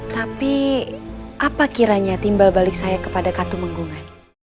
tapi apa kiranya timbal balik saya kepada katumenggungan